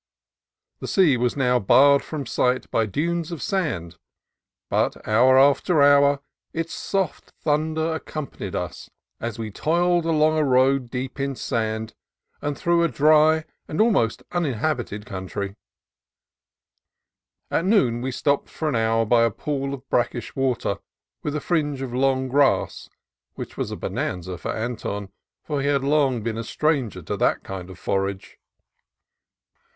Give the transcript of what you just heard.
The sea was soon barred from sight THE SALINAS RIVER 225 by dunes of sand, but hour after hour its soft thun der accompanied us as we toiled along a road deep in sand and through a dry and almost uninhabited country. At noon we stopped for an hour by a pool of brackish water, with a fringe of long grass which was a bonanza to Anton, for he had long been a stranger to that kind of forage.